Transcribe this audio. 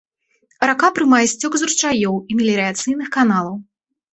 Рака прымае сцёк з ручаёў і меліярацыйных каналаў.